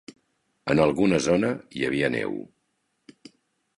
En alguna zona hi havia neu.